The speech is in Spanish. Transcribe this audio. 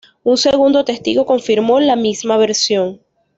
Un segundo testigo confirmó la misma versión.